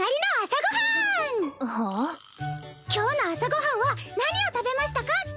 今日の朝ご飯は何を食べましたか？